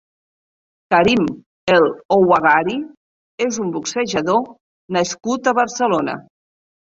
Karim El Ouazghari és un boxejador nascut a Barcelona.